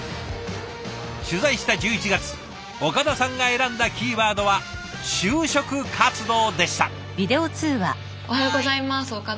取材した１１月岡田さんが選んだキーワードは「就職活動」でした。